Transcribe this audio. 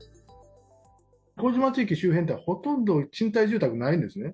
麹町駅周辺っていうのは、ほとんど賃貸住宅ないんですね。